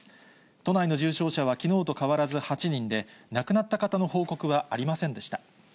都内の重症者はきのうと変わらず８人で、亡くなった方の報告はありませんでした。